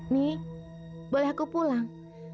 nek boleh aku pulang